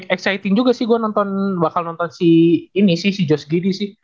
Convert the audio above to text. exciting juga sih gue bakal nonton si ini si josh giddy sih